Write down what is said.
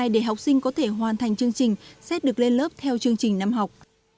để học sinh có thể hoàn thành chương trình xét được lên lớp theo chương trình năm học